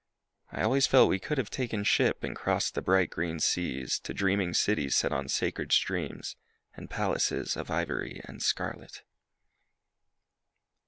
I always felt we could have taken ship And crossed the bright green seas To dreaming cities set on sacred streams And palaces Of ivory and scarlet.